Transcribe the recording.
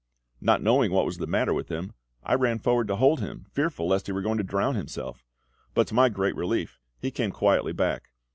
Not knowing what was the matter with him, I ran forward to hold him, fearful lest he were going to drown himself; but to my great relief he came quietly back.